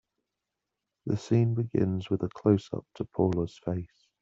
The scene begins with a closeup to Paula's face.